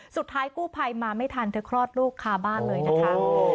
สุดท้ายกู้ภัยมาไม่ทันเธอคลอดลูกคาบ้านเลยนะคะ